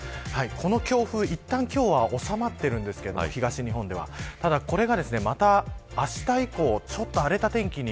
この強風、いったん今日は収まっているんですが東日本ではこれが、またあした以降荒れた天気に。